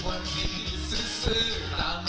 สวัสดีครับ